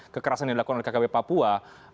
kekerasan yang dilakukan oleh kkw papua